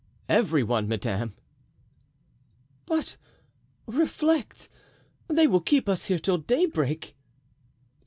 "Every one, madame." "But reflect, they will keep us here till daybreak."